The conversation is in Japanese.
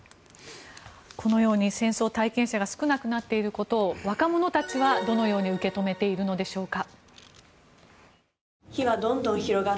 このように戦争体験者が少なくなっていることを若者たちはどのように受け止めているのでしょうか。